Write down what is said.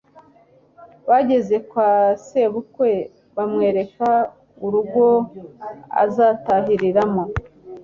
Bageze kwa Sebukwe bamwereka urugo azatahiriramo